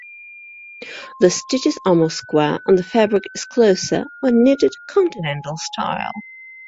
The stitches are more square and the fabric is closer when knitted Continental style.